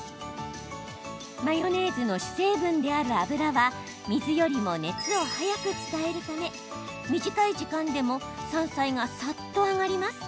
マヨネーズの主成分である油は水よりも熱を早く伝えるため短い時間でも山菜がさっと揚がります。